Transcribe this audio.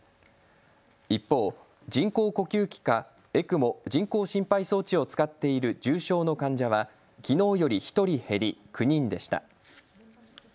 一方、人工呼吸器かＥＣＭＯ・人工心肺装置を使っている重症の患者はきのうより１人減り９人でした。